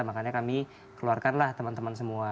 makanya kami keluarkanlah teman teman semua